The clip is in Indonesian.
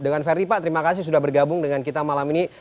dengan ferdi pak terima kasih sudah bergabung dengan kita malam ini